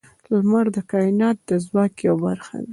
• لمر د کائنات د ځواک یوه برخه ده.